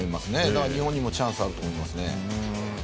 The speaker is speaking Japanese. だから日本にもチャンスはあると思います。